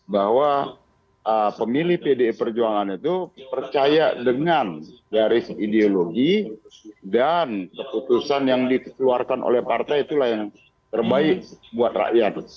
bahwa pemilih pdi perjuangan itu percaya dengan dari ideologi dan keputusan yang dikeluarkan oleh partai itulah yang terbaik buat rakyat